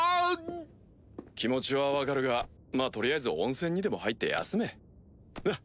気持ちは分かるがまぁ取りあえず温泉にでも入って休めなっ！